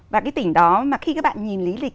và cái tỉnh đó mà khi các bạn nhìn lý lịch